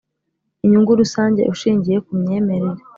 inyungu rusange ushingiye ku myemerere